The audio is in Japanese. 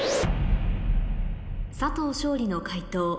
佐藤勝利の解答